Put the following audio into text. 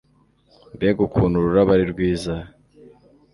Mbega ukuntu ururabo ari rwiza